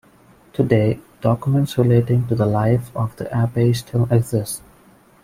Today, documents relating to the life of the abbey still exist.